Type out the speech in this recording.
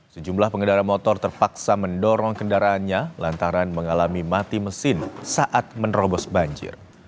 sejumlah pengendara motor terpaksa mendorong kendaraannya lantaran mengalami mati mesin saat menerobos banjir